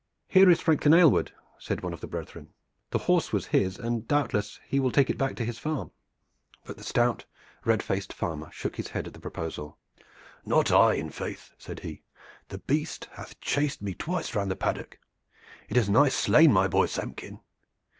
"Here is Franklin Aylward," said one of the brethren. "The horse was his, and doubtless he will take it back to his farm." But the stout red faced farmer shook his head at the proposal. "Not I, in faith!" said he. "The beast hath chased me twice round the paddock; it has nigh slain my boy Samkin.